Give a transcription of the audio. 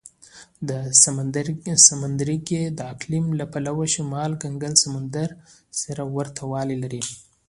دا سمندرګي د اقلیم له پلوه شمال کنګل سمندر سره ورته والی لري.